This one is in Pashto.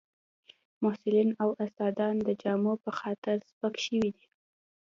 محصلین او استادان د جامو په خاطر سپک شوي دي